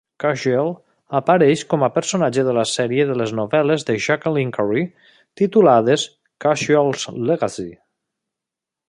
Kushiel apareix com a personatge a la sèrie de novel·les de Jacqueline Carey titulades "Kushiel's Legacy".